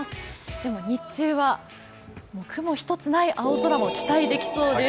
でも日中は雲一つない青空も期待できそうです。